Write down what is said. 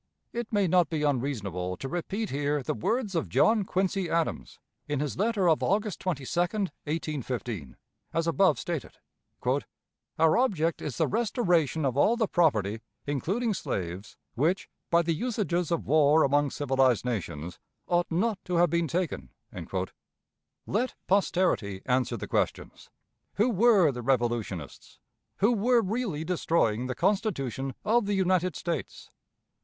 It may not be unseasonable to repeat here the words of John Quincy Adams, in his letter of August 22, 1815, as above stated: "Our object is the restoration of all the property, including slaves, which, by the usages of war among civilized nations, ought not to have been taken." Let posterity answer the questions: Who were the revolutionists? Who were really destroying the Constitution of the United States?